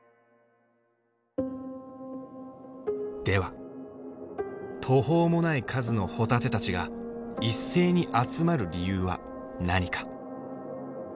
では途方もない数のホタテたちが一斉に集まる理由は何か？